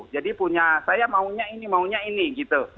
jadi punya saya maunya ini maunya ini gitu